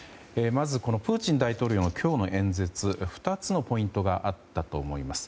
まず、プーチン大統領の今日の演説２つのポイントがあったと思います。